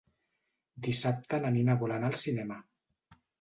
Dissabte na Nina vol anar al cinema.